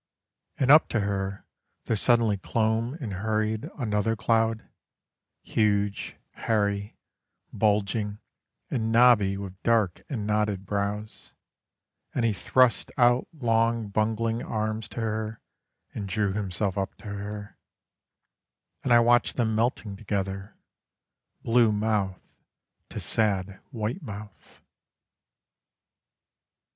And up to her there suddenly clomb and hurried another cloud, Huge, hairy, bulging, and knobby, with dark and knotted brows: And he thrust out long bungling arms to her and drew himself up to her, And I watched them melting together, blue mouth to sad white mouth.